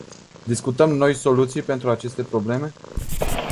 Discutăm noi soluții pentru aceste probleme?